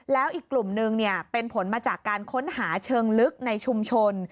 แล้วอีกกลุ่มนึงเป็นผลมาจากการค้นหาเชิงลึกในชุมชน